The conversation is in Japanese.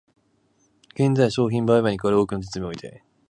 現在、商品売買にかかる多くの実務において、